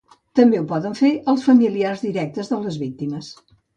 També ho poden fer els familiars directes de les víctimes.